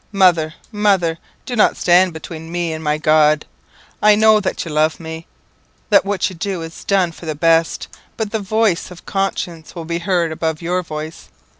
Mother, mother! do not stand between me and my God. I know that you love me that what you do is done for the best; but the voice of conscience will be heard above your voice.